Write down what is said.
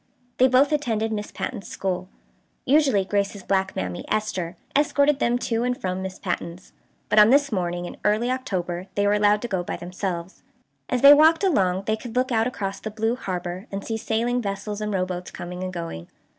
They both attended Miss Patten's school. Usually Grace's black mammy, Esther, escorted them to and from Miss Patten's, but on this morning in early October they were allowed to go by themselves. As they walked along they could look out across the blue harbor, and see sailing vessels and rowboats coming and going.